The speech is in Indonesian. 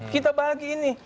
kita bagi ini